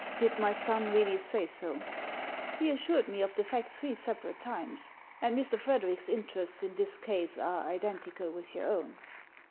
Did my son really say so ?"" He assured me of the fact three separate times ; and Mr. Frederic's interests in this case are identical with your own."